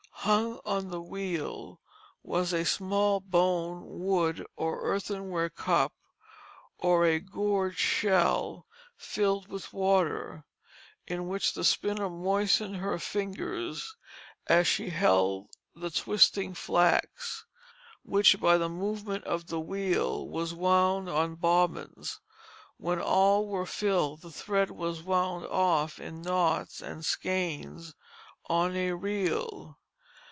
Hung on the wheel was a small bone, wood, or earthenware cup, or a gourd shell, filled with water, in which the spinner moistened her fingers as she held the twisting flax, which by the movement of the wheel was wound on bobbins. When all were filled, the thread was wound off in knots and skeins on a reel.